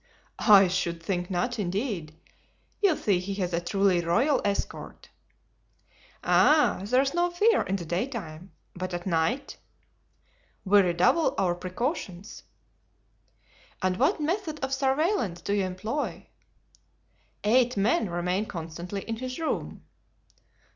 "I should think not, indeed. You see he has a truly royal escort." "Ay, there's no fear in the daytime; but at night?" "We redouble our precautions." "And what method of surveillance do you employ?" "Eight men remain constantly in his room."